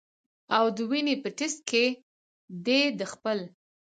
او د وینې پۀ ټېسټ کښې دې د خپل